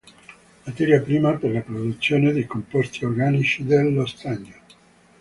Materia prima per la produzione dei composti organici dello stagno.